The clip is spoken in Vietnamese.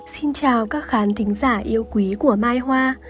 xin chào các khán thính giả yêu quý của mai hoa